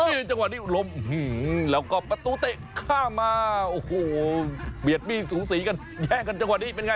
นี่จังหวะนี้ล้มแล้วก็ประตูเตะข้ามมาโอ้โหเบียดมีดสูสีกันแย่งกันจังหวะนี้เป็นไง